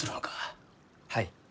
はい。